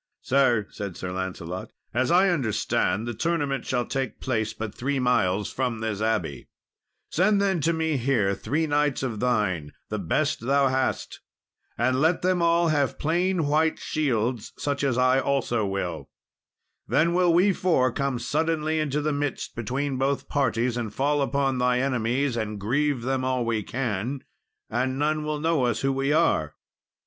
"Sir," said Sir Lancelot, "as I understand, the tournament shall take place but three miles from this abbey; send then to me here, three knights of thine, the best thou hast, and let them all have plain white shields, such as I also will; then will we four come suddenly into the midst between both parties, and fall upon thy enemies, and grieve them all we can, and none will know us who we are."